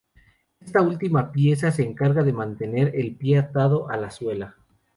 Esta última pieza se encarga de mantener el pie atado a la suela.